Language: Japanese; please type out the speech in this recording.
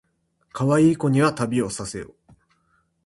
かわいい子には旅をさせよ